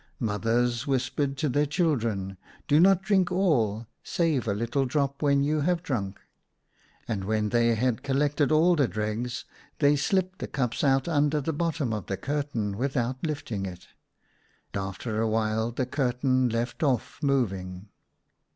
Mothers whispered to their children, " Do not drink all, save a little drop when )ou have drunk." And when they had collected all the dregs they slipped the cups out under the bottom of the curtain without lifting it. After a while the curtain left off moving.